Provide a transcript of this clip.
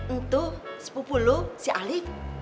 itu sepupu lu si alif